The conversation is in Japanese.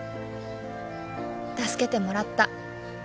助けてもらった。